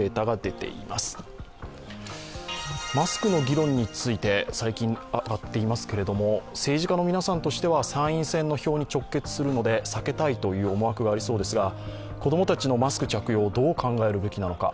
マスクの議論について、最近上がっていますけれども、政治家の皆さんとしては参院選の票に直結するので、避けたいという思惑がありそうですが子供たちのマスク着用をどう考えるべきなのか。